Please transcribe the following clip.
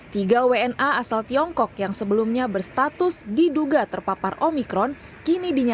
tiga wna asal tiongkok yang sebelumnya berstatus diduga terpapar omikron kini dinyatakan